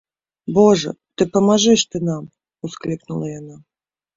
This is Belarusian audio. - Божа, ды памажы ж ты нам! - усклікнула яна